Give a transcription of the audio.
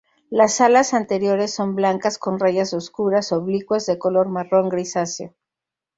Las alas anteriores son blancas con rayas oscuras oblicuas de color marrón grisáceo.